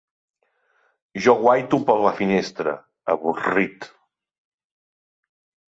Jo guaito per la finestra, avorrit.